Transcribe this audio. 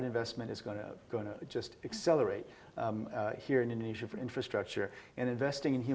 dalam reformasi struktur internalnya